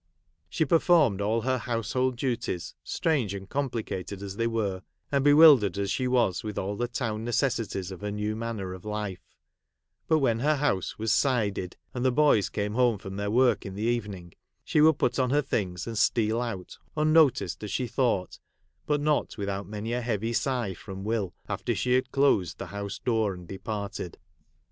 She performed all her household duties, strange and complicated as they were, and bewildered as she was with all the town necessities of her new manner of life ; but when her house was 'sided,' and the boys come home from their work, in the evening, she would put on her things and steal out, unnoticed, as she thought, but not without many a heavy sigh from Will, after she had closed the house door and departed.